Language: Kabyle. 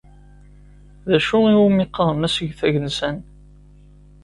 D acu iwumi qqaren asget agensan?